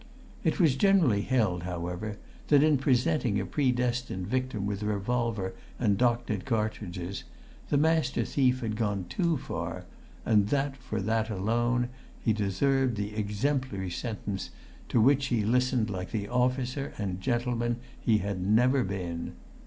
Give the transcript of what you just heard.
It was generally held, however, that in presenting a predestined victim with a revolver and doctored cartridges, the master thief had gone too far, and that for that alone he deserved the exemplary sentence to which he listened like the officer and gentleman he had never been.